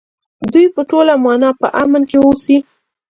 دوی په ټوله مانا په امن کې اوسي.